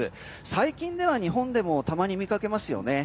最近では日本でもたまに見かけますよね。